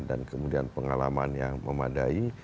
dan kemudian pengalaman yang memadai